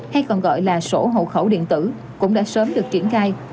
hay còn gọi là sổ hộ khẩu điện tử cũng đã sớm được triển khai